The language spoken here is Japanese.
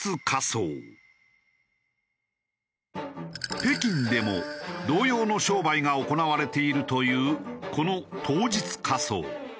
北京でも同様の商売が行われているというこの当日火葬。